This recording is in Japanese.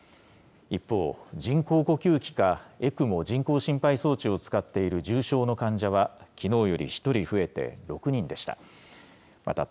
一方、人工呼吸器かＥＣＭＯ・人工心肺装置を使っている重症の患者はきのうより１人増えて６人でした。